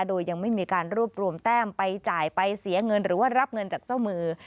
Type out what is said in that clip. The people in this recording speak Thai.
โดยยังไม่มีการรวบรวมแต้มไปจ่ายไปเสียเงินหรือว่ารับเงินจากเจ้ามือ